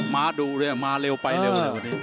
มาดูเลยมาเร็วไปเร็ว